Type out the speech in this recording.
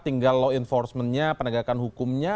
tinggal law enforcementnya penegakan hukumnya